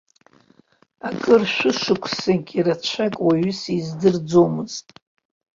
Акыр шәышықәсақәагьы рацәак уаҩы сиздырӡомызт.